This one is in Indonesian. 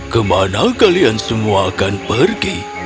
kemana kalian semua akan pergi